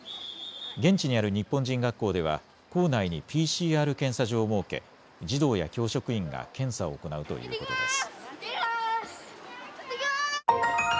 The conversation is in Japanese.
現地にある日本人学校では、校内にＰＣＲ検査場を設け、児童や教職員が検査を行うということです。